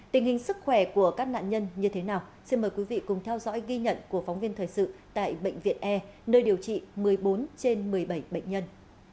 tình hình sức khỏe của các nạn nhân như thế nào xin mời quý vị cùng theo dõi ghi nhận của phóng viên thời sự tại bệnh viện e nơi điều trị một mươi bốn trên một mươi bảy bệnh nhân